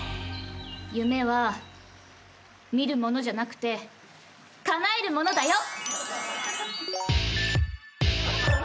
夢は見るものじゃなくてかなえるものだよ！